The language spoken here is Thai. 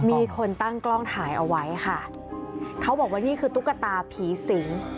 มีคนตั้งกล้องถ่ายเอาไว้ค่ะเขาบอกว่านี่คือตุ๊กตาผีสิง